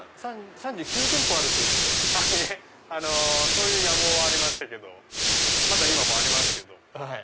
そういう野望はありましたけどまだ今もありますけど。